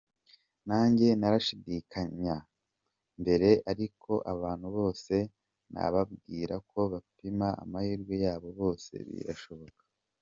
Nanjye narashidikanya mbere, ariko abantu bose nababwira ko bapima amahirwe yabo byose birashoboka.